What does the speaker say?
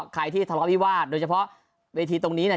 ถ้าใครทำวิวาสโดยเฉพาะละทีตรงนี้เนี่ย